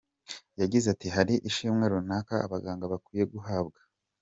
Yagize ati “Hari ishimwe runaka abaganga bakwiye guhabwa.